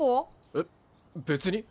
えっ別に。